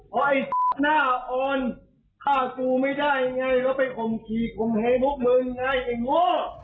เพราะไอ้หน้าออนฆ่ากูไม่ได้ไงแล้วไปข่มขีดผมให้พวกมึงไอ้โง่